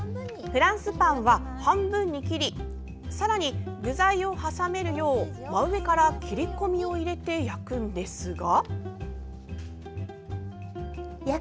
フランスパンは半分に切りさらに具材を挟めるよう真上から切り込みを入れて焼くんですが。